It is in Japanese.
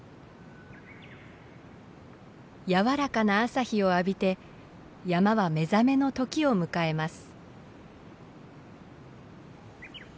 やわらかな朝日を浴びて山は目覚めの時を迎えます。